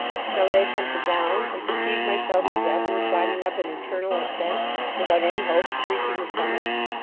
Shall I attempt the Downs, and fatigue myself to death in climbing up an eternal ascent, without any hopes of reaching the summit?